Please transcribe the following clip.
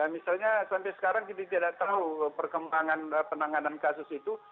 misalnya sampai sekarang kita tidak tahu perkembangan penanganan kasus itu